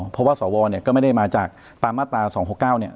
เพราะว่าตามมาตรา๒๖๙เนี่ย